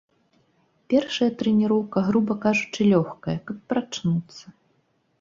Першая трэніроўка, груба кажучы, лёгкая, каб прачнуцца.